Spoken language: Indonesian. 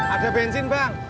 ada bensin bang